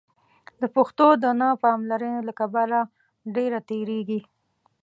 د پښتو د نه پاملرنې له کبله ډېره تېرېږي.